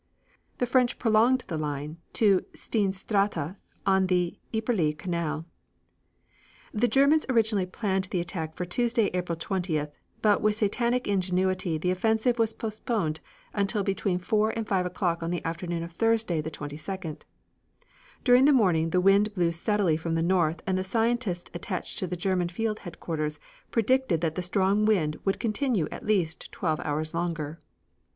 The French prolonged the line to Steenstraate on the Yperlee Canal. The Germans originally planned the attack for Tuesday, April 20th, but with satanic ingenuity the offensive was postponed until between 4 and 5 o'clock on the afternoon of Thursday, the 22d. During the morning the wind blew steadily from the north and the scientists attached to the German Field Headquarters predicted that the strong wind would continue at least twelve hours longer.